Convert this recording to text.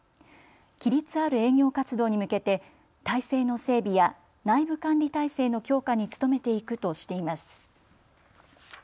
規律ある営業活動に向けて体制の整備や内部管理体制の強化に努めていくとしています。